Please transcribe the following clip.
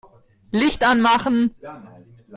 Licht anmachen.